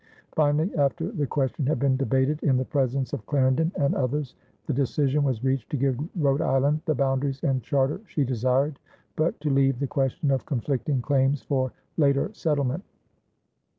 Finally, after the question had been debated in the presence of Clarendon and others, the decision was reached to give Rhode Island the boundaries and charter she desired, but to leave the question of conflicting claims for later settlement.